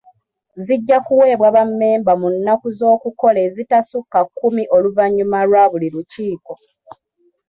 Zijja kuweebwa bammemba mu nnaku z'okukola ezitasukka kkumi oluvannyuma lwa buli lukiiko.